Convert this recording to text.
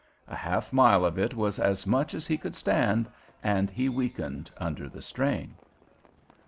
A half mile of it was as much as he could stand, and he weakened under the strain.